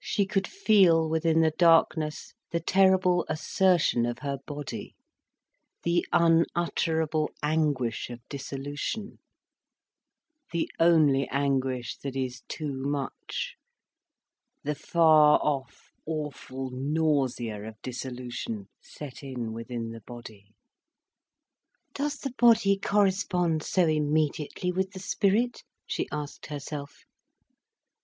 She could feel, within the darkness, the terrible assertion of her body, the unutterable anguish of dissolution, the only anguish that is too much, the far off, awful nausea of dissolution set in within the body. "Does the body correspond so immediately with the spirit?" she asked herself.